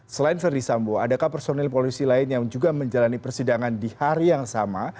selain ferdi sambo adakah personil polisi lain yang juga menjalani persidangan di hari yang sama